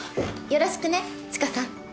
よろしくね知花さん。